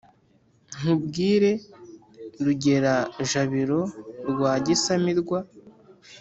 nkubwire rugera-jabiro rwa gisamirwa